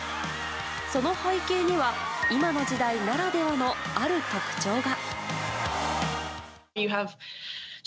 その背景には今の時代ならではのある特徴が。